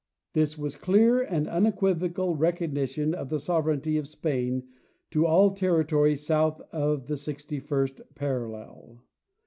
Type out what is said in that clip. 244 John H. Mitchell—Oregon This was a clear and unequivocal recognition of the sovereignty of Spain to all territory south of the sixty first parallel.